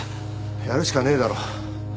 やるしかねえだろ。